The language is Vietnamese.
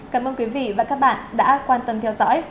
cảm ơn quý vị và các bạn đã quan tâm theo dõi